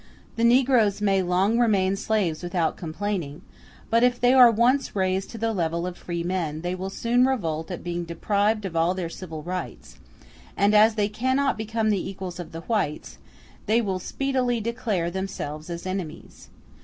The negroes may long remain slaves without complaining; but if they are once raised to the level of free men, they will soon revolt at being deprived of all their civil rights; and as they cannot become the equals of the whites, they will speedily declare themselves as enemies.